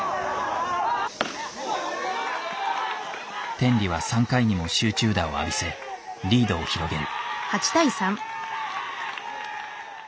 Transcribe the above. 天理は３回にも集中打を浴びせリードを広げる。